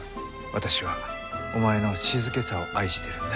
私はお前の静けさを愛してるんだ。